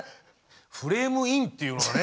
フレームインっていうのがね。